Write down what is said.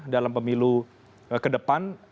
dalam pemilu ke depan